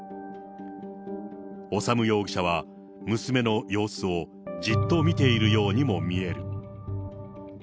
修容疑者は、娘の様子をじっと見ているようにも見える。